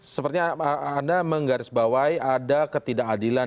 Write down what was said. sepertinya anda menggarisbawahi ada ketidakadilan